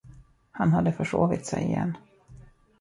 Han hade försovit sig igen.